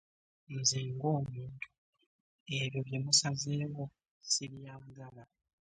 Nze ng'omuntu ebyo bye musazeewo sibyagala.